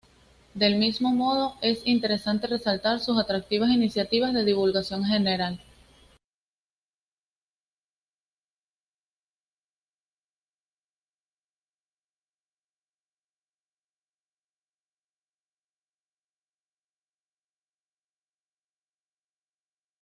Del mismo modo, es interesante resaltar sus atractivas iniciativas de divulgación general.